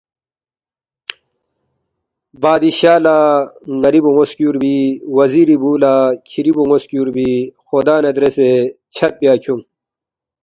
بادشاہ لہ ن٘ری بون٘و سکیُوربی، وزیری بُو لہ کِھری بون٘و سکیُوربی خُدا نہ دریسے چھد بیا کھیونگ